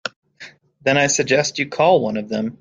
Then I suggest you call one of them.